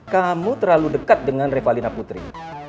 kamu terlalu dekat dengan revalina putri